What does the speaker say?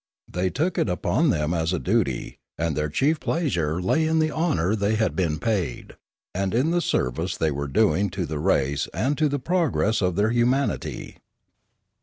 They took it upon them as a duty, and their chief pleasure lay in the honour they had been paid, and in the service they were doing to the race and to the progress of their humanity.